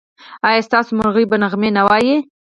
ایا ستاسو مرغۍ به نغمې نه وايي؟